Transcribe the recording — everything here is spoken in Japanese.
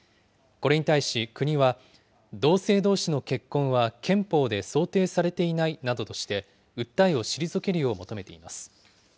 これに対し、国は同性どうしの結婚は憲法で想定されていないなどとして、訴えを退けるよう求めています。